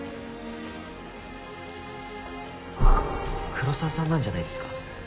黒澤さんなんじゃないですか？